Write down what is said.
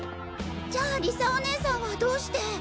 じゃあ理沙お姉さんはどうして。